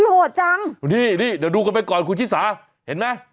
โหดจังนี่เดี๋ยวดูกันใหม่ก่อนครับคุณชิศาเห็นไหม